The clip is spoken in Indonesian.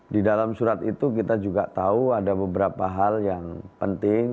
di dalam surat itu kita juga tahu ada beberapa hal yang penting